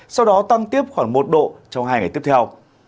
sau đó tăng tiếp khoảng một độ trong hai ngày tiếp theo